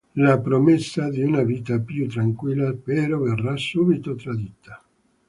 La promessa di una vita più tranquilla, però, verrà subito tradita.